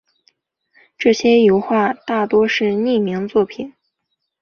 这些油画大多是匿名作品。